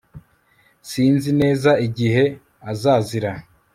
sinzi neza igihe azazira